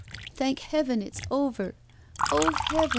'Thank heaven it's over. Oh, heaven!